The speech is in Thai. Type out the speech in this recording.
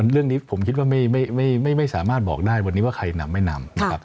เรื่องนี้ผมคิดว่าไม่สามารถบอกได้ว่าใครนำไม่นำ